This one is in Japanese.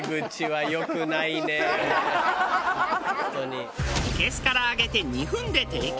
いけすから揚げて２分で提供。